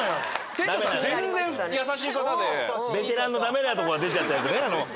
店長さんベテランのダメなとこが出ちゃったやつね。